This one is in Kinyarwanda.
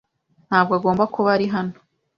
Ntabwo agomba kuba ari hano.